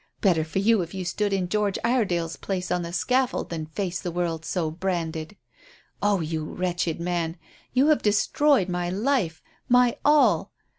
Better for you if you stood in George Iredale's place on the scaffold than face the world so branded. Oh, you wretched man, you have destroyed my life my all!